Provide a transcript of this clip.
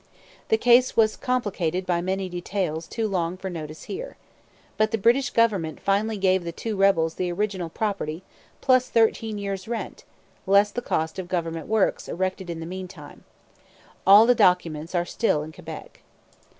The case was complicated by many details too long for notice here. But the British government finally gave the two rebels the original property, plus thirteen years' rent, less the cost of government works erected in the meantime. All the documents are still in Quebec.